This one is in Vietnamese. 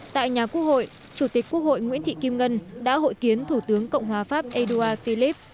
tại nhà quốc hội chủ tịch quốc hội nguyễn thị kim ngân đã hội kiến thủ tướng cộng hòa pháp edouard philip